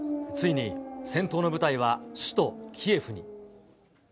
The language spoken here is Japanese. ついに戦闘の部隊は首都キエフに。